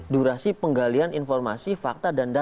durasi penggalian informasi fakta dan data